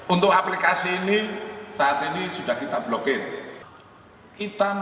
untuk aplikasi ini saat ini sudah kita blokir